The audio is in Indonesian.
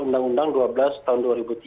undang undang dua belas tahun dua ribu tiga